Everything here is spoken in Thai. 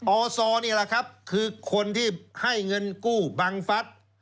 อโอศภอะไรคือคนที่ให้เงินกู้บางฟัส